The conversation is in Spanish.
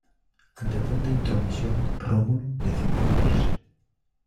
Ante tanta intromisión, Rómulo decidió irse.